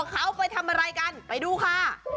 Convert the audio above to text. เขาไปทำอะไรกันไปดูค่ะ